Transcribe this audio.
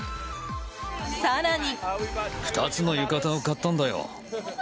更に。